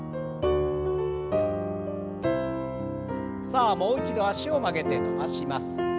さあもう一度脚を曲げて伸ばします。